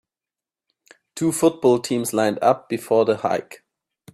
Two football teams lined up before the hike.